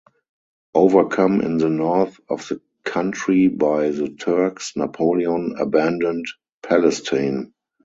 Overcome in the north of the country by the Turks, Napoleon abandoned Palestine.